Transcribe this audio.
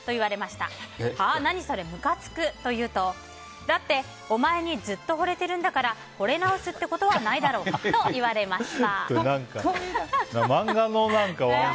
何それ、むかつくと言うとだってお前にずっとほれてるんだからほれ直すってことはないだろうと言われました。